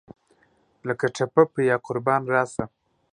لکه ټپه پۀ یاقربان راسه !